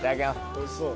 おいしそう。